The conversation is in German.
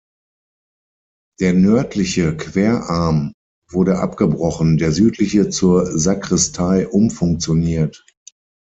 Der nördliche Querarm wurde abgebrochen, der südliche zur Sakristei umfunktioniert.